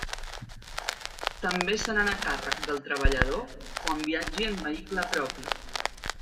També seran a càrrec del treballador quan viatgi en vehicle propi.